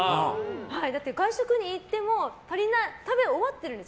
だって外食に行っても終わってるんですよ。